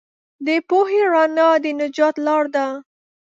د پوهې رڼا د نجات لار ده.